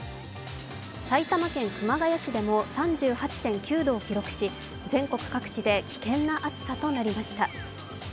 埼玉県熊谷市でも３８．９度を記録し全国各地で危険な暑さとなりました。